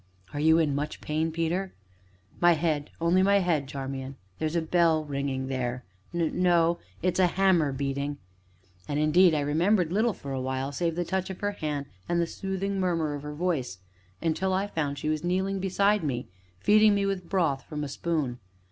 "Are you in much pain, Peter?" "My head only my head, Charmian there is a bell ringing there, no it is a hammer, beating." And indeed I remembered little for a while, save the touch of her hands and the soothing murmur of her voice, until I found she was kneeling beside me, feeding me with broth from a spoon.